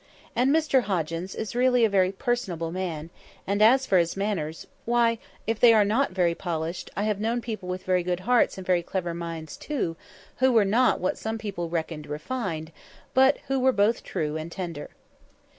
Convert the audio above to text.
And Mr Hoggins is really a very personable man; and as for his manners, why, if they are not very polished, I have known people with very good hearts and very clever minds too, who were not what some people reckoned refined, but who were both true and tender."